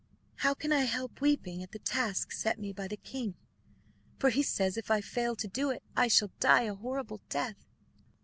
"How can I help weeping at the task set me by the king. For he says, if I fail to do it, I shall die a horrible death."